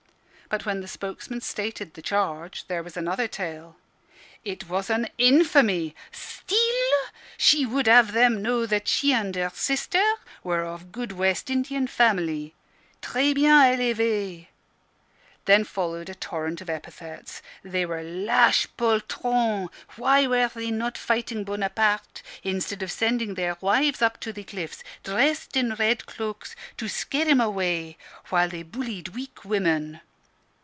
But when the spokesman stated the charge, there was another tale. "It was an infamy. Steal! She would have them know that she and her sister were of good West Indian family tres bien elevees." Then followed a torrent of epithets. They were laches poltrons. Why were they not fighting Bonaparte, instead of sending their wives up to the cliffs, dressed in red cloaks, to scare him away, while they bullied weak women?